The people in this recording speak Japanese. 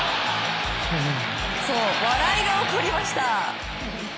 そう、笑いが起こりました。